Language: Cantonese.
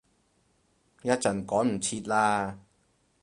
一陣趕唔切喇